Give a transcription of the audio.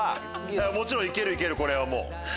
もちろんいけるいけるこれは。